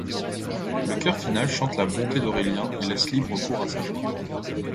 Le chœur final chante la bonté d'Aurélien et laisse libre cours à sa joie.